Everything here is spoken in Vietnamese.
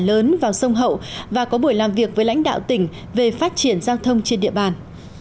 lớn vào sông hậu và có buổi làm việc với lãnh đạo tỉnh về phát triển giao thông trên địa bàn